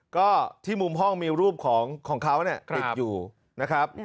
ก็ที่มุมห้องมีรูปของเขาเนี่ยติดอยู่นะครับ